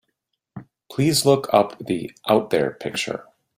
Please look up the Out There picture.